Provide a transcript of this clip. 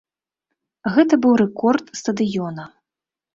Гэта быў рэкорд стадыёна.